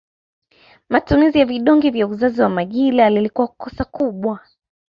Matumizi ya vidonge vya uzazi wa majira lilikuwa kosa kubwa